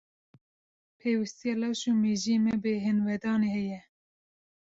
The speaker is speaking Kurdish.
Pêwistiya laş û mejiyê me bi bêhinvedanê heye.